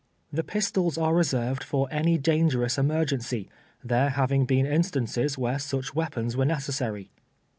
The pistols are reserved for any dan jrerous emertroncv, there havinf!: been instances when such weapons were necessary.